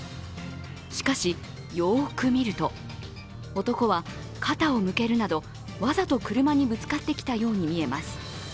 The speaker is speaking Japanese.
しかし、よく見ると男は肩を向けるなどわざと車にぶつかってきたように見えます。